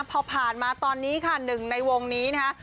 พอผ่านมาตอนนี้ค่ะหนึ่งในวงนี้นะคะ